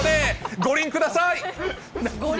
ごりんください？